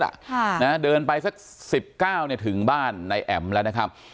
ถึงร้อยเมตรเดินไปสัก๑๙ถึงบ้านนายแอ๋มแล้วนะครับ